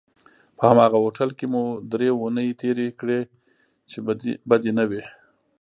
په هماغه هوټل کې مو درې اونۍ تېرې کړې چې بدې نه وې.